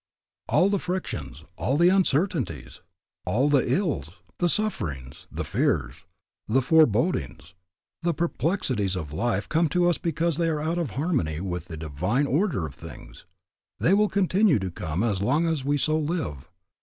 All the frictions, all the uncertainties, all the ills, the sufferings, the fears, the forebodings, the perplexities of life come to us because we are out of harmony with the divine order of things. They will continue to come as long as we so live.